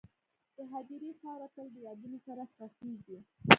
د هدیرې خاوره تل د یادونو سره ښخېږي..